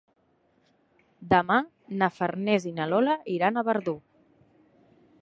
Demà na Farners i na Lola iran a Verdú.